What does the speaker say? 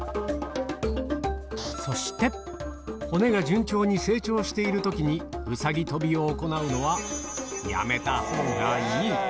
そして、骨が順調に成長しているときにうさぎ跳びを行うのは、やめたほうがいい。